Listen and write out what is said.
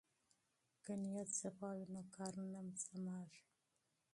که نیت پاک وي نو کارونه سمېږي.